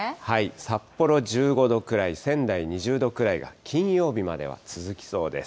札幌１５度くらい、仙台２０度くらいが金曜日までは続きそうです。